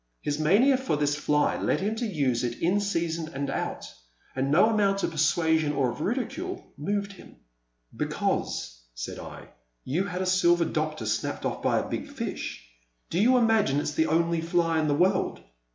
His mania for this fly lead him to use it in season and out, and no amount of persuasion or of ridicule moved him. Because," said I, you had a Silver Doctor snapped ofi" by a big fish, do you imagine it *s the only fly in the world